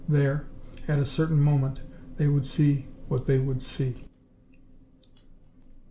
There, at a certain moment, they would see what they would see.